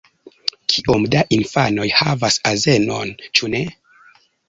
Kiom da infanoj havas azenon? Ĉu ne?